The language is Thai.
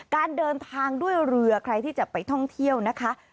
การเดินทางด้วยเรือใครที่จะไปท่องเที่ยวนะคะ